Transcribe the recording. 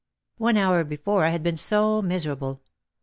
One hour before I had been so miserable.